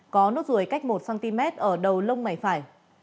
có nốt ruồi cách một cm ở đầu lông mày phải